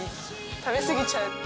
食べ過ぎちゃう。